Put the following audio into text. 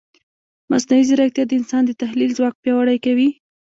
مصنوعي ځیرکتیا د انسان د تحلیل ځواک پیاوړی کوي.